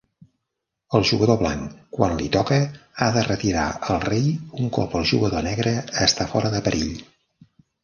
El jugador blanc, quan l'hi toca, ha de retirar el rei un cop el jugador negre està fora de perill.